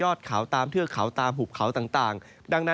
ดาดขาวตามเทือดขาวตามหุบขาวต่าง